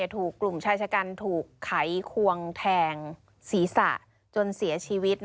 ถูกกลุ่มชายชะกันถูกไขควงแทงศีรษะจนเสียชีวิต